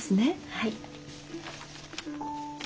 はい。